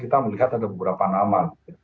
kita melihat ada beberapa nama